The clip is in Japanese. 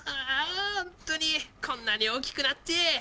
ホントにこんなに大きくなって。